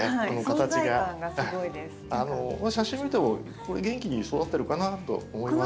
この写真見ても元気に育ってるかなと思います。